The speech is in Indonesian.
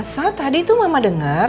sa tadi tuh mama denger